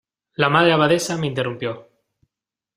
la Madre Abadesa me interrumpió: